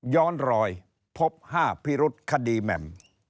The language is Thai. ย้อนรอยพบ๕พิรุษคดีแหม่ม